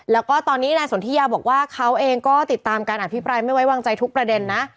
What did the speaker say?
แล้วก็ตอนนี้นายสนทิยาบอกว่าเขาเองก็ติดตามการอภิปรายไม่ไว้วางใจทุกประเด็นนะ